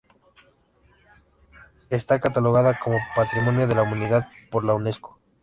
Está catalogado como Patrimonio de la Humanidad por la Unesco.